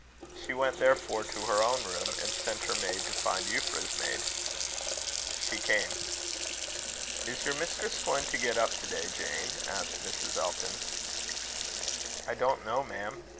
She went therefore to her own room, and sent her maid to find Euphra's maid. She came. "Is your mistress going to get up to day, Jane?" asked Mrs. Elton. "I don't know, ma'am.